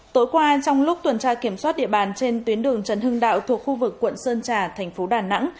tối qua trong lúc tuần tra kiểm soát địa bàn trên tuyến đường trần hưng đạo thuộc khu vực quận sơn trà thành phố đà nẵng